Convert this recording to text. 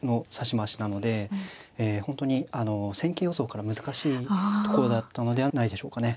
本当にあの戦型予想から難しいところだったのではないでしょうかね。